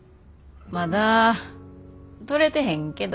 まだ取れてへんけど。